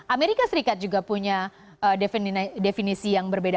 amerika serikat juga punya definisi yang berbeda